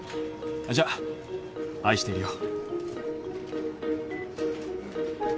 じゃ愛しているよ。